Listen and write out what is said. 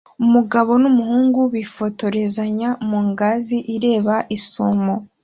Umugabo n'umuhungu bifotozanya mu ngazi ireba isumo